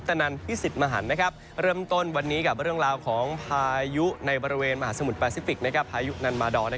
สวัสดีครับถึงเวลาของจับตาเตือนภัยในวันนี้